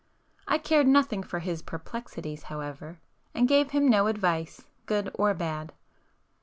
I cared nothing for his perplexities however, and gave him no advice, good or bad.